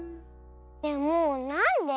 でもなんで？